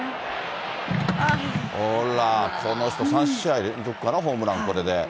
ほら、この人、３試合連続かな、ホームラン、これで。